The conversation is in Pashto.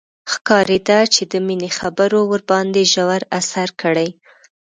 ښکارېده چې د مينې خبرو ورباندې ژور اثر کړی.